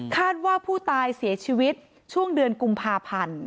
ว่าผู้ตายเสียชีวิตช่วงเดือนกุมภาพันธ์